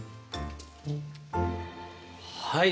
はい。